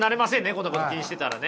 こんなこと気にしてたらね。